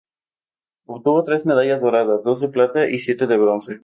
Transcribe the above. Obtuvo tres medallas doradas, dos de plata y siete de bronce.